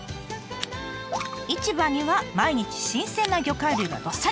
市場には毎日新鮮な魚介類がどっさり。